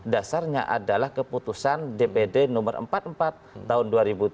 dasarnya adalah keputusan dpd nomor empat puluh empat tahun dua ribu tujuh belas